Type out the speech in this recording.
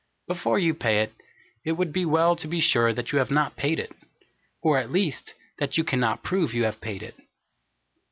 Before you pay it, it would be well to be sure you have not paid it; or, at least, that you can not prove you have paid it.